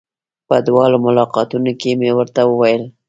په دواړو ملاقاتونو کې مې ورته وويل.